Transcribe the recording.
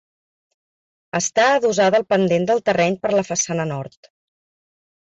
Està adossada al pendent del terreny per la façana nord.